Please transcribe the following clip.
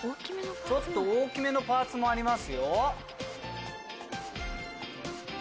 ちょっと大きめのパーツもありますよ。